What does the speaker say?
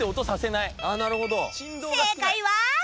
正解は